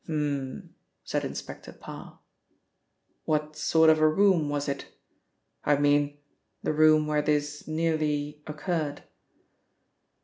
"H'm," said Inspector Parr. "What sort of a room was it? I mean, the room where this nearly occurred?"